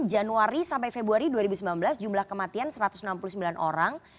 januari sampai februari dua ribu sembilan belas jumlah kematian satu ratus enam puluh sembilan orang